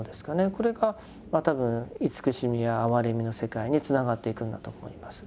これが多分慈しみや哀れみの世界につながっていくんだと思います。